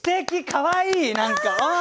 かわいい何かああ！